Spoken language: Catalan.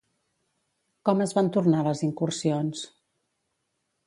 Com es van tornar les incursions?